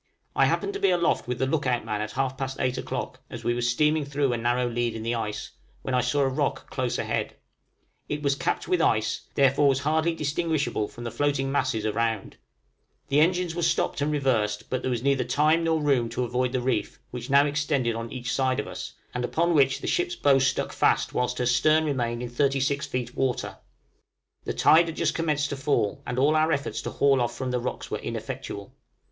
I happened to be aloft with the look out man at half past eight o'clock as we were steaming through a narrow lead in the ice, when I saw a rock close ahead; it was capped with ice, therefore was hardly distinguishable from the floating masses around; the engines were stopped and reversed, but there was neither time nor room to avoid the reef, which now extended on each side of us, and upon which the ship's bow stuck fast whilst her stern remained in 36 feet water; the tide had just commenced to fall, and all our efforts to haul off from the rocks were ineffectual.